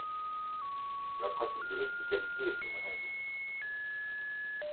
La pratique de l'hospitalité est une règle.